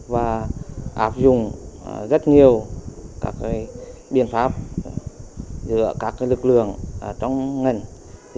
và áp dụng rất nhiều các biện pháp giữa các lực lượng trong ngành